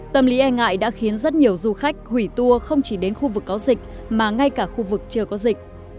tâm lý e ngại đã khiến rất nhiều du khách hủy tour không chỉ đến khu vực có dịch mà ngay cả khu vực chưa có dịch